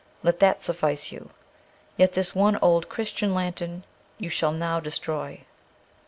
Let that suffice you. Yet this one old Christian lantern you shall now destroy.